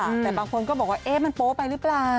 แต่บางคนก็บอกว่าเอ๊ะมันโป๊ไปหรือเปล่า